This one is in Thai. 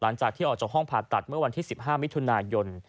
หลังจากที่ออกจากห้องผ่าตัดเมื่อวันที่๑๕มิถุนายน